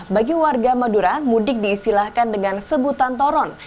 bagi warga madura mudik diistilahkan dengan sebutan toron